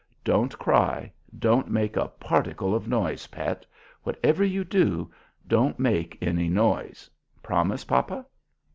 Don't cry, don't make a particle of noise, pet. Whatever you do, don't make any noise. Promise papa."